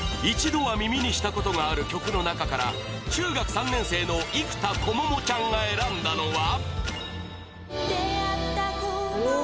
一度は耳にしたことがある曲の中から中学３年生の生田瑚桃ちゃんが選んだのはお。